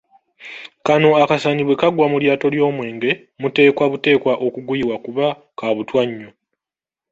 Kano akasaanyi bwe kagwa mu lyato ly'omwenge, muteekwa buteekwa okuguyiwa kuba ka butwa nnyo.